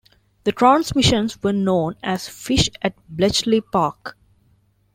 The transmissions were known as Fish at Bletchley Park.